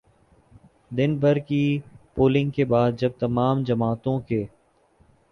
دن بھر کی پولنگ کے بعد جب تمام جماعتوں کے